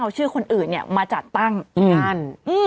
เอาชื่อคนอื่นมาจัดตั้งนั่น